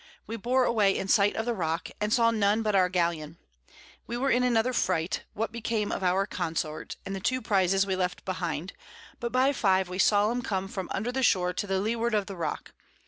We bore away in sight of the Rock, and saw none but our Galleon; we were in another Fright what became of our Consort, and the 2 Prizes we left behind; but by 5 we saw 'em come from under the Shore to the Leeward of the Rock.